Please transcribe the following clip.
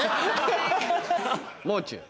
「もう中」。